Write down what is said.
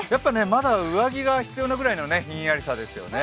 まだ上着が必要なぐらいのひんやりさですよね。